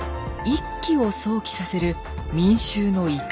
「一揆」を想起させる民衆の怒り。